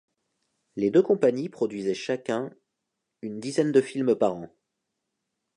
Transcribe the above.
Les deux compagnies produisaient chacun une dizaine de films par an.